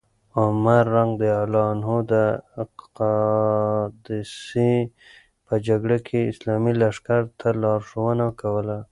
عمر رض د قادسیې په جګړه کې اسلامي لښکر ته لارښوونه کوله.